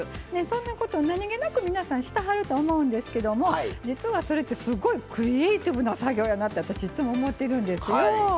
そんなことを何気なく皆さんしてはると思うんですけども実はそれってすごいクリエーティブな作業やなって私いつも思ってるんですよ。